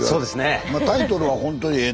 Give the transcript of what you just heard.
タイトルは本当にええ